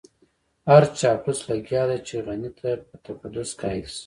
هر چاپلوس لګيا دی چې غني ته په تقدس قايل شي.